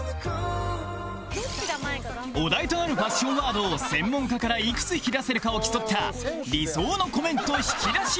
お題となるファッションワードを専門家からいくつ引き出せるかを競った理想のコメント引き出し